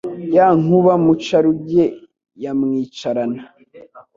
Ya Nkuba Muca-ruge ya Mwicarana